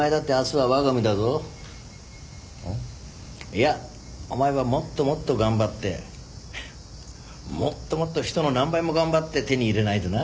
いやお前はもっともっと頑張ってもっともっと人の何倍も頑張って手に入れないとな。